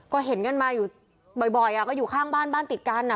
ก็เห็นกันมาอยู่บ่อยก็อยู่ข้างบ้านบ้านติดกันอ่ะ